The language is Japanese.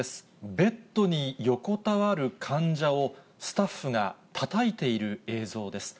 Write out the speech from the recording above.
ベッドに横たわる患者をスタッフがたたいている映像です。